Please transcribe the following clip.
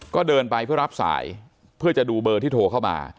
ก็เดินไปเพื่อรับสายเพื่อจะดูเบอร์ที่โทรเข้ามา